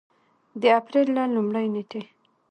د اپرېل له لومړۍ نېټې